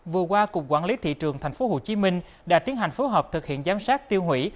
vừa qua cục quản lý thị trường tp hcm đã tiến hành phối hợp thực hiện giám sát tiêu hủy